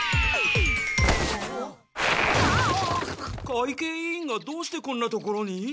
会計委員がどうしてこんな所に？